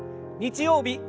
日曜日